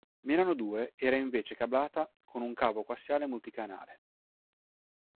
Milano Due era invece cablata con cavo coassiale multicanale.